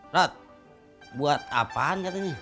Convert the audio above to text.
rot buat apaan katanya